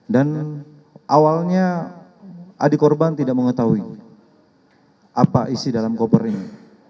dan awalnya adik korban tidak mengetahui apa isi dalam koper ini